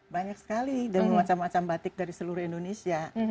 banyak sekali dan macam macam batik dari seluruh indonesia